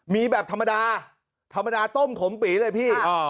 มีแบบธรรมดาธรรมดาต้มขมปีเลยพี่